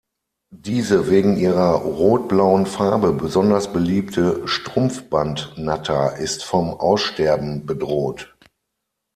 Diese wegen ihrer rot-blauen Farbe besonders beliebte Strumpfbandnatter ist vom Aussterben bedroht.